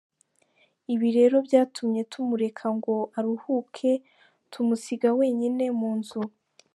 Ibi rero byatumye tumureka ngo aruhuke, tumusiga wenyine mu nzu’’.